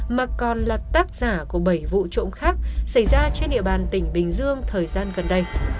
mà còn là tác giả của bảy vụ trộm khác xảy ra trên địa bàn tỉnh bình dương thời gian gần đây